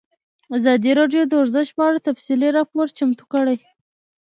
ازادي راډیو د ورزش په اړه تفصیلي راپور چمتو کړی.